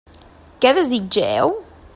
Què desitgeu?